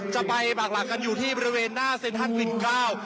จะไปปากหลักกันอยู่ที่บริเวณหน้าเซ็นทันปิ่นเกล้า